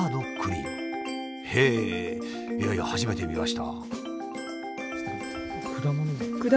へえいやいや初めて見ました。